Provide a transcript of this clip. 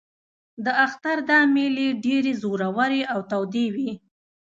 د اختر دا مېلې ډېرې زورورې او تودې وې.